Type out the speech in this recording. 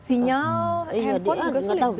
iya enggak tahu